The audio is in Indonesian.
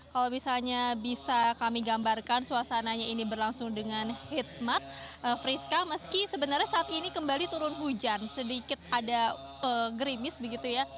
kalau misalnya bisa kami gambarkan suasananya ini berlangsung dengan hikmat priska meski sebenarnya saat ini kembali turun hujan sedikit ada gerimis begitu ya